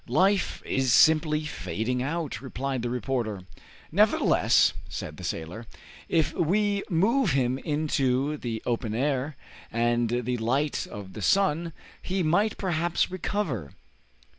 "Life is simply fading out," replied the reporter. "Nevertheless," said the sailor, "if we move him into the open air, and the light of the sun, he might perhaps recover."